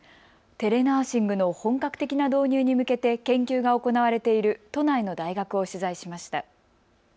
テレナーシングの本格的な導入に向けて研究が行われている都内の大学を取材しました。